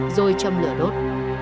rồi châm lửa đốt